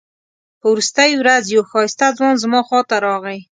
په وروستۍ ورځ یو ښایسته ځوان زما خواته راغی.